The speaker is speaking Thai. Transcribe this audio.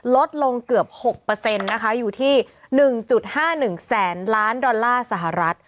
ลดลงเกือบ๖นะคะอยู่ที่๑๕๑แสนล้านดอลลาร์สหรัฐ